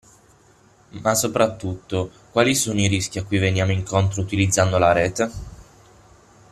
Ma soprattutto, quali sono i rischi a cui veniamo incontro utilizzando la rete?